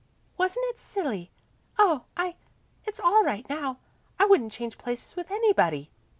Wasn't it silly? I oh, it's all right now. I wouldn't change places with anybody."